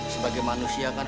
sebagai manusia kan